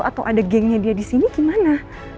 atau ada gengnya dia disini gimana